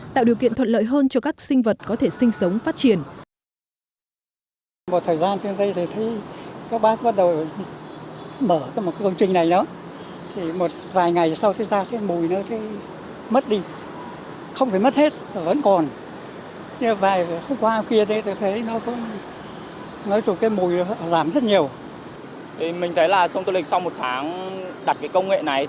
tạo điều kiện thuận lợi hơn cho các sinh vật có thể sinh sống phát triển